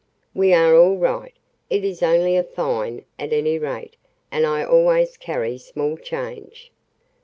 "We are all right. It is only a fine, at any rate, and I always carry small change."